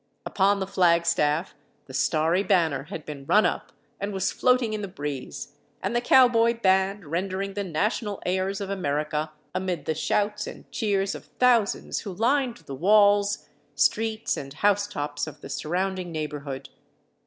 Upon the flag staff the starry banner had been run up and was floating in the breeze, and the cowboy band rendering the national airs of America, amid the shouts and cheers of thousands who lined the walls, streets, and housetops of the surrounding neighborhood.